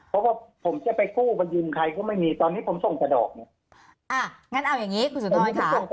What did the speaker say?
เพราะว่าผมจะไปคู่บรรยีมใครก็ไม่มีตอนนี้ผมส่งทะดอก